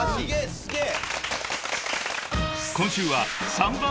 すげえな。